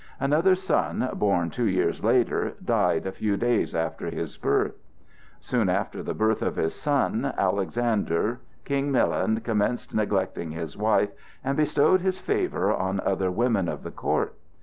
Another son, born two years later, died a few days after his birth. Soon after the birth of his son Alexander, King Milan commenced neglecting his wife and bestowed his favor on other women of the court.